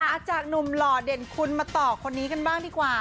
จากหนุ่มหล่อเด่นคุณมาต่อคนนี้กันบ้างดีกว่า